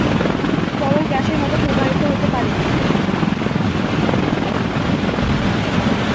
তরল গ্যাসের মতো প্রবাহিত হতে পারে।